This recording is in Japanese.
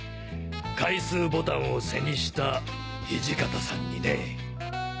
階数ボタンを背にした土方さんにね。